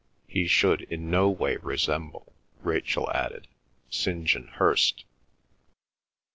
He should in no way resemble (Rachel added) St. John Hirst.